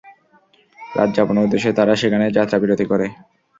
রাত যাপনের উদ্দেশে তারা সেখানেই যাত্রা বিরতি করে।